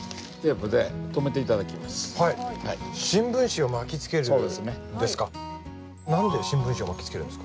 何で新聞紙を巻きつけるんですか？